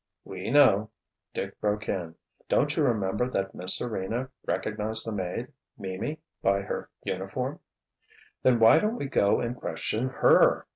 "We know," Dick broke in. "Don't you remember that Miss Serena recognized the maid—Mimi—by her uniform?" "Then why don't we go and question her?"